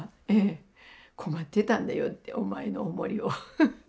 困ってたんだよってお前のお守りを。